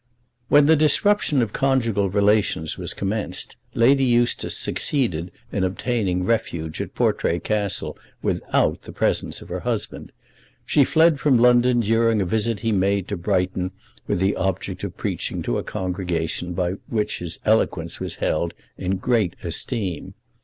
When the disruption of conjugal relations was commenced, Lady Eustace succeeded in obtaining refuge at Portray Castle without the presence of her husband. She fled from London during a visit he made to Brighton with the object of preaching to a congregation by which his eloquence was held in great esteem.